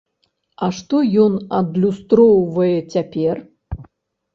А што ён адлюстроўвае цяпер?